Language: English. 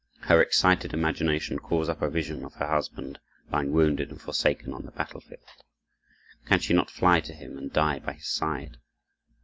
Her excited imagination calls up a vision of her husband, lying wounded and forsaken on the battlefield. Can she not fly to him and die by his side?